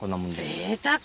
ぜいたく！